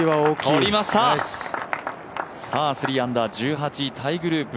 とりました、３アンダー１８位タイグループ。